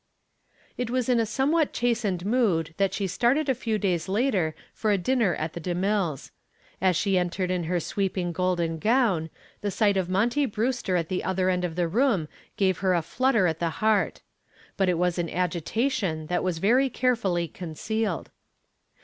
It was in a somewhat chastened mood that she started a few days later for a dinner at the DeMille's. As she entered in her sweeping golden gown the sight of Monty Brewster at the other end of the room gave her a flutter at the heart. But it was an agitation that was very carefully concealed.